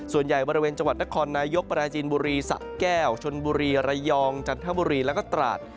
ส่วนใหญ่บริเวณจังหวัดนครนายกปราจีนบุรีสะแก้วชนบุรีระยองจันทบุรีแล้วก็ตราด